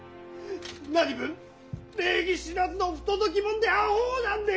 何分礼儀知らずの不届きもんであほうなんでござる！